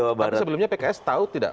tapi sebelumnya pks tahu tidak